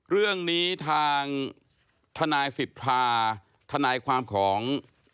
เรื่องนี้ทางทนายสิทธาทนายความของ